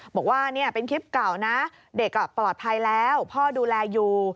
บอกว่านี่เป็นคลิปเก่านะเด็กปลอดภัยแล้วพ่อดูแลอยู่